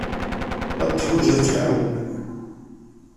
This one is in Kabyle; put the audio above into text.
Ad t-teḥwijeḍ ad k-iɛawen.